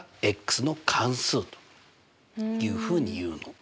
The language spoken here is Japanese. の関数というふうにいうの。